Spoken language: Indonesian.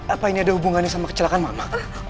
apa ini ada hubungannya sama kecelakaan mama